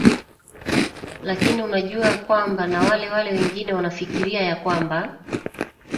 lakini anajua kwamba na wale wale wengine wanafikiria ya kwamba